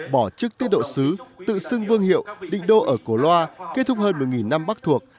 bỏ chức tiết độ xứ tự xưng vương hiệu định đô ở cổ loa kết thúc hơn một năm bắc thuộc